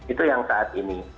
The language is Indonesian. itu yang saat ini